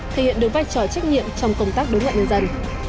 thể hiện được vai trò trách nhiệm trong công tác đối ngoại nhân dân